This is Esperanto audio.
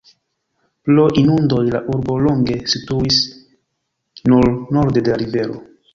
Pro inundoj, la urbo longe situis nur norde de la rivero.